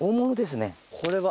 これは。